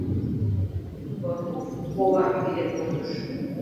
Горлов поварым вӱден кондыш.